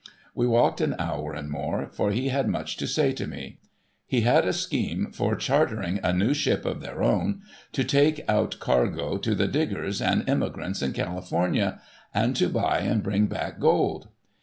We walked an hour and more, for he had much to say to me. He had a scheme for chartering a new ship of their own to take out cargo to the diggers and emigrants in California, and to buy and bring back gold.